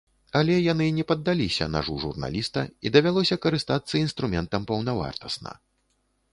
Але яны не паддаліся нажу журналіста і давялося карыстацца інструментам паўнавартасна.